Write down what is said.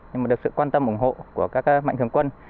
nhưng mà được sự quan tâm ủng hộ của các mạnh thường quân